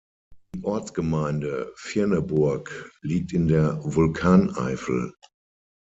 Die Ortsgemeinde Virneburg liegt in der Vulkaneifel.